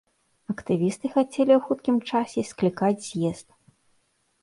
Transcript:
Актывісты хацелі ў хуткім часе склікаць з'езд.